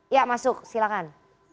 ya masuk silahkan